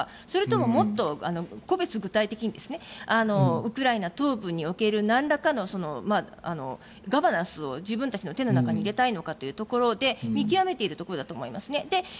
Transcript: それとももっと個別具体的にウクライナ東部におけるなんらかのガバナンスを自分たちの手の中に入れたいのかというところで見極めているところだと思いますね。